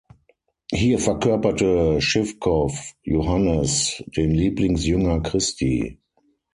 Hier verkörperte Schiwkow Johannes, den Lieblingsjünger Christi.